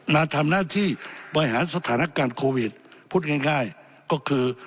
มาทำหน้าที่บริหารสถานการณ์โควิดพูดง่ายก็คือ